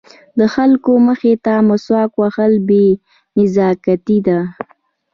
د خلکو مخې ته مسواک وهل بې نزاکتي ده.